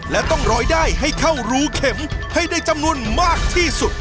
และต้องร้อยได้ให้เข้ารูเข็มให้ได้จำนวนมากที่สุด